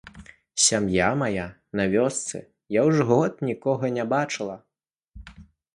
Сям'я мая на вёсцы, я ўжо год нікога не бачыла.